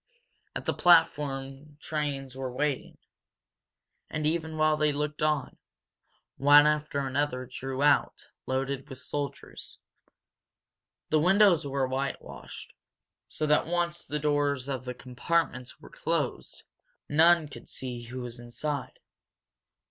At the platform trains were waiting, and, even while they looked on, one after another drew out, loaded with soldiers. The windows were whitewashed, so that, once the doors of the compartments were closed, none could see who was inside.